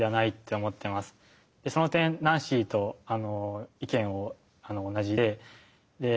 その点ナンシーとあの意見同じで。